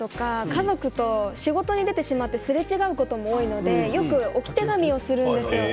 私も夜とか朝とか家族と仕事に出てしまってすれ違うことが多いのでよく置き手紙をするんですよ。